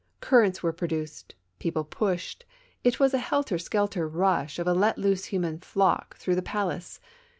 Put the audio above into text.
Cur rents were produced ; people pushed ; it was a helter skelter rush of a let loose human flock through a palace.